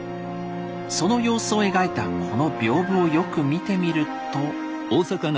その様子を描いたこの屏風をよく見てみると。